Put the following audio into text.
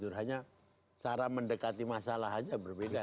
hanya cara mendekati masalah saja berbeda